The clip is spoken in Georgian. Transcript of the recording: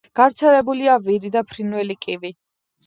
გავრცელებულია ვირი და ფრინველი კივი.